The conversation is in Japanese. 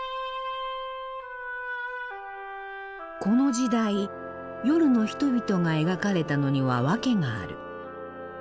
この時代夜の人々が描かれたのには訳がある。